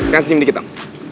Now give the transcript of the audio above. kan senyum dikit dong